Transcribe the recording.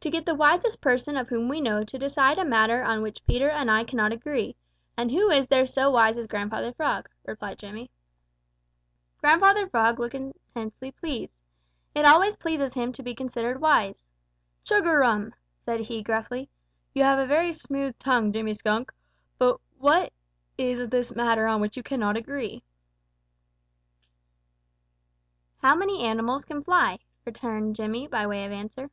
"To get the wisest person of whom we know to decide a matter on which Peter and I cannot agree; and who is there so wise as Grandfather Frog?" replied Jimmy. Grandfather Frog looked immensely pleased. It always pleases him to be considered wise. "Chug a rum!" said he gruffly. "You have a very smooth tongue, Jimmy Skunk. But what is this matter on which you cannot agree?" "How many animals can fly?" returned Jimmy, by way of answer.